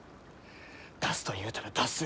出すと言うたら出す。